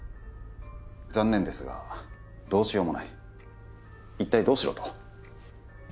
残念ですがどうしようもない一体どうしろと？